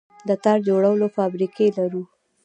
د تار جوړولو فابریکې لرو؟